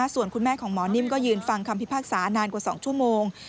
ส่วนคุณแม่ของหมอนิ่มก็ยืนฟังคำพิพากษานานกว่า๒ชั่วโมง